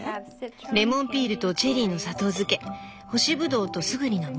レモンピールとチェリーの砂糖漬け干しぶどうとスグリの実。